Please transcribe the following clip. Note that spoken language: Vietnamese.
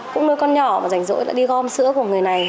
cũng đôi con nhỏ mà rảnh rỗi đi gom sữa của người này